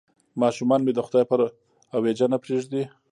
ماشومان مې د خدای پر اوېجه نه پرېږدي.